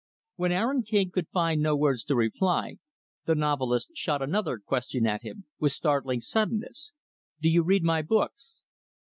When Aaron King could find no words to reply, the novelist shot another question at him, with startling suddenness. "Do you read my books?"